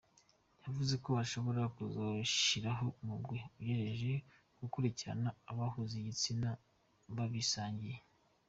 Yavuze ko ashobora kuzoshiraho umugwi ujejwe gukurikirana abahuza ibitsina babisangiye.